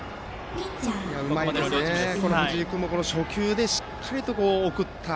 うまいですね、藤井君も初球でしっかりと送った。